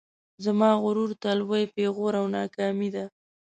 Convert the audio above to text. زما غرور ته لوی پیغور او ناکامي ده